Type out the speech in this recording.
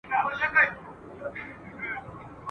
او د بل عیب همېشه د کلي منځ دی» ..